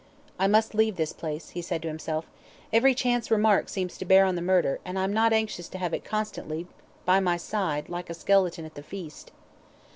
"I must leave this place," he said to himself; "every chance remark seems to bear on the murder, and I'm not anxious to have it constantly by my side like the skeleton at the feast."